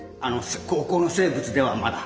高校の生物ではまだ。